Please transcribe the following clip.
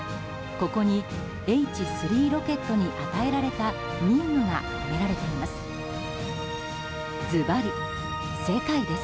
ここにＨ３ロケットに与えられた任務が込められています。